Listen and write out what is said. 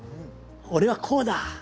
俺はこうだ！